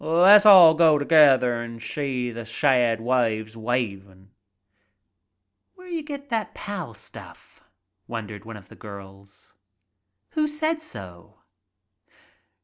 "Le's all go together an' shee th' shad waves wavin\" "Where d'ya get that pal stuff ?" wondered one of girls. "Who said so?"